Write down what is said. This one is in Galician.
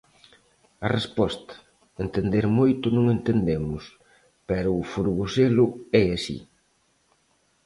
A resposta: "Entender moito non entendemos, pero o Forgoselo é así".